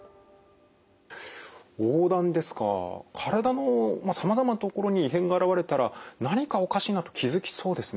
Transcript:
体のさまざまな所に異変が現れたら何かおかしいなと気付きそうですね。